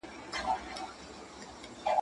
خط د ټکي څخه شروع کېږي.